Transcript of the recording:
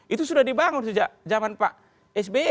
itu sudah dibangun sejak zaman pak sby